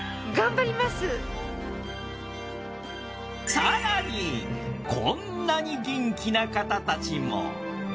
更にこんなに元気な方たちも。